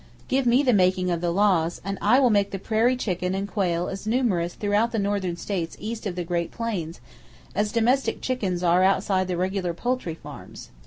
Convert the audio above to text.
Give me the making of the laws, and I will make the prairie chicken and quail as numerous throughout the northern states east of the Great Plains as domestic chickens are outside the regular poultry farms.